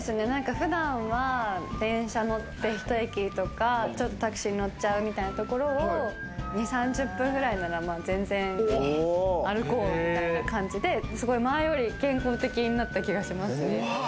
普段は電車乗って１駅とか、タクシー乗っちゃうところを２０３０分くらいなら歩こうみたいな感じで、前より健康的になった気がします。